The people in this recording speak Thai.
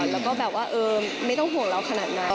แล้วก็แบบว่าไม่ต้องห่วงเราขนาดนั้น